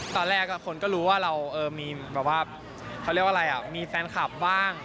ตอนแรกคนก็รู้ว่าเรามีแบบว่าเขาเรียกว่าอะไรมีแฟนคลับบ้าง